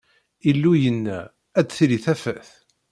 Illu yenna: Ad d-tili tafat!